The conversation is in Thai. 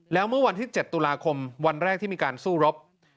แล้วเมื่อวันที่๗ตุลาคมวันแรกที่มีการสู้รบ